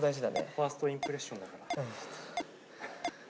ファーストインプレッションだから。